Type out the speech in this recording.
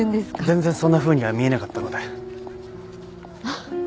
全然そんなふうには見えなかったので。